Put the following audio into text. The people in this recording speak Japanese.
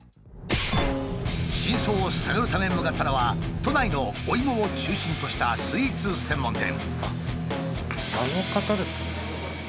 真相を探るため向かったのは都内のおイモを中心としたスイーツ専門店。